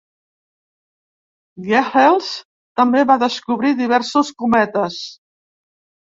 Gehrels també va descobrir diversos cometes.